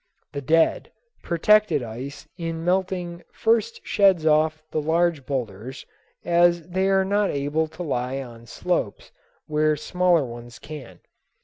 The dead, protected ice in melting first sheds off the large boulders, as they are not able to lie on slopes where smaller ones can.